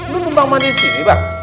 lu nyumbang mandi sini pak